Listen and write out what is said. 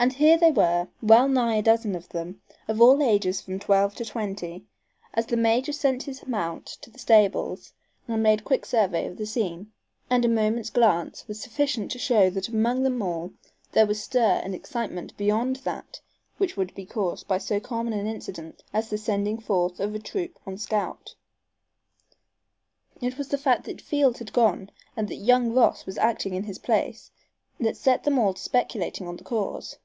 And here they were, well nigh a dozen of them, of all ages from twelve to twenty, as the major sent his mount to the stables and made quick survey of the scene, and a moment's glance was sufficient to show that among them all there was stir and excitement beyond that which would be caused by so common an incident as the sending forth of a troop on scout. It was the fact that Field had gone and that young Ross was acting in his place that set them all to speculating on the cause.